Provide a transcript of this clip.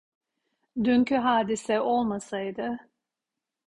Dünkü hadise olmasaydı.